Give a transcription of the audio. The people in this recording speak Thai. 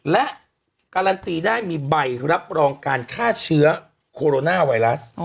และการันตีได้มีใบรับรองการฆ่าเชื้อโคโรนาไวรัส